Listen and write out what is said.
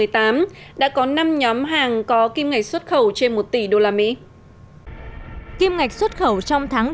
trong tháng đầu năm hai nghìn một mươi tám đã có năm nhóm hàng có kim ngạch xuất khẩu trên một tỷ usd